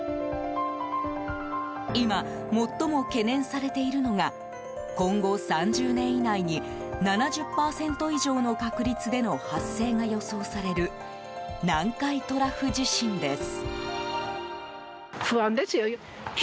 今、最も懸念されているのが今後３０年以内に７０％以上の確率での発生が予想される南海トラフ地震です。